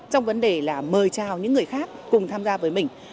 trong vấn đề là mời chào những người khác cùng tham gia với mình